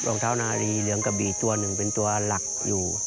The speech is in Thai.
รองเท้านารีเหลืองกระบี่ตัวหนึ่งเป็นตัวหลักอยู่